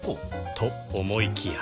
と思いきや